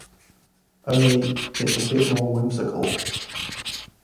Only it's a bit more whimsical.